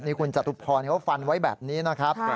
นี่คุณจตุพรเขาฟันไว้แบบนี้นะครับ